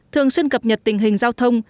thường xuyên cập nhật tình hình giao thông